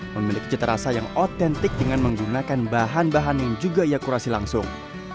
memiliki cita rasa yang otentik dengan menggunakan bahan bahan yang juga ia kurasi langsung